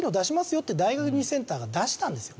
よって大学入試センターが出したんですよ。